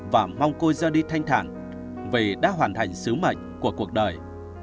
và mong côi ra đi thanh thản vì đã hoàn thành sứ mệnh của cuộc đời